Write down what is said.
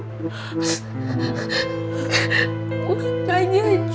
udah jadi istri muda si kepala proyek